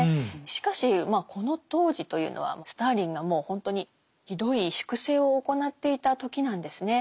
しかしまあこの当時というのはスターリンがもうほんとにひどい粛清を行っていた時なんですね。